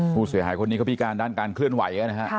ผู้เสียหายคนนี้เขาพิการด้านการเคลื่อนไหวนะฮะ